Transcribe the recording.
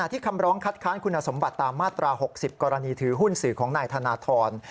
คำร้องคัดค้านคุณสมบัติตามมาตรา๖๐กรณีถือหุ้นสื่อของนายธนทร